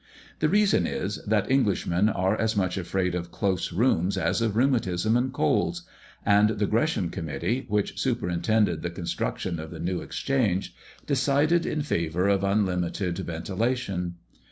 The reason is, that Englishmen are as much afraid of close rooms as of rheumatism and colds; and the Gresham Committee, which superintended the construction of the New Exchange, decided in favor of unlimited ventilation.